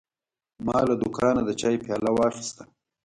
ما له دوکانه د چای پیاله واخیسته.